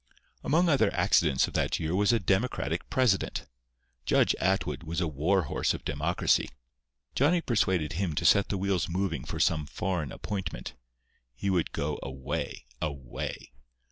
Among other accidents of that year was a Democratic president. Judge Atwood was a warhorse of Democracy. Johnny persuaded him to set the wheels moving for some foreign appointment. He would go away—away.